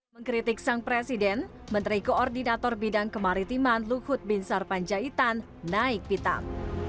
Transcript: mengkritik sang presiden menteri koordinator bidang kemaritiman luhut bin sarpanjaitan naik pitam